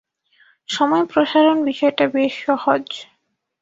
সময় প্রসারণ বিষয়টা বেশ সহজ।